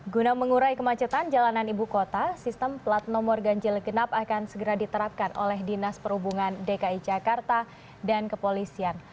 guna mengurai kemacetan jalanan ibu kota sistem plat nomor ganjil genap akan segera diterapkan oleh dinas perhubungan dki jakarta dan kepolisian